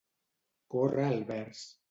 Córrer el vers.